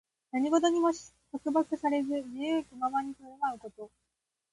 何事にも束縛されず、自由気ままに振る舞うこと。